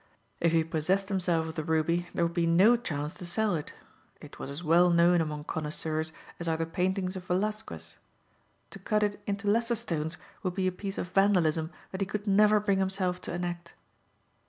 If he possessed himself of the ruby there would be no chance to sell it. It was as well known among connoisseurs as are the paintings of Velasquez. To cut it into lesser stones would be a piece of vandalism that he could never bring himself to enact.